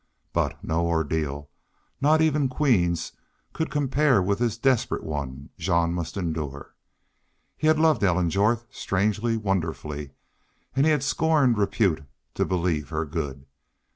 But, no ordeal, not even Queen's, could compare with this desperate one Jean must endure. He had loved Ellen Jorth, strangely, wonderfully, and he had scorned repute to believe her good.